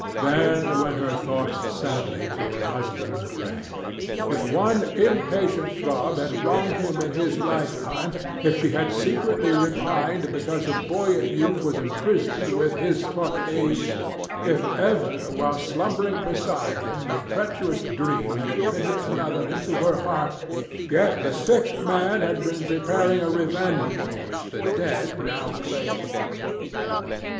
Then went her thoughts sadly to her husband's grave. If one impatient throb had wronged him in his lifetime, if she had secretly repined because her buoyant youth was imprisoned with his torpid age, if ever while slumbering beside him a treacherous dream had admitted another into her heart,—yet the sick man had been preparing a revenge which the dead now claimed.